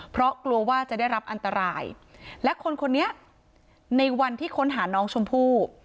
เพราะกลัวว่าจะได้รับอันตรายและคนคนนี้ในวันที่ค้นหาน้องชมพู่